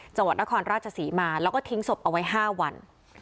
จังหวัดนครราชศรีมาแล้วก็ทิ้งศพเอาไว้๕วัน